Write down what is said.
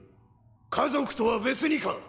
家族とは別にか？